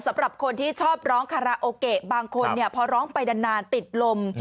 สำหรับคนที่ชอบร้องคาราโอเกะบางคนพอร้องไปนานติดลม